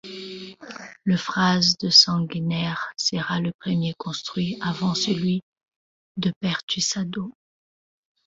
Le phare des Sanguinaires sera le premier construit avant celui de Pertusato.